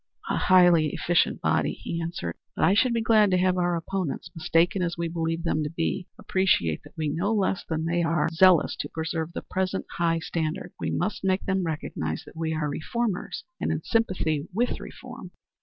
"A highly efficient body," he answered. "But I should be glad to have our opponents mistaken as we believe them to be appreciate that we no less than they are zealous to preserve the present high standard. We must make them recognize that we are reformers and in sympathy with reform."